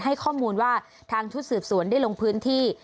ให้ข้อมูลว่าทางชุดสืบสวนได้ลงพื้นที่